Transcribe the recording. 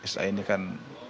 sa ini kan